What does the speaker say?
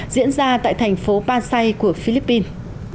diễn ra tại thành phố pasay của philippines